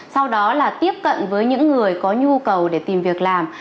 sau đó là tiếp cận với những người có nhu cầu để tìm việc làm